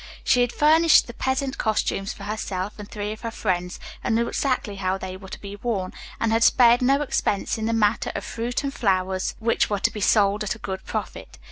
She had furnished the peasant costumes for herself and three of her friends, and knew exactly how they were to be worn, and had spared no expense in the matter of fruit and flowers which were to be sold at a good profit.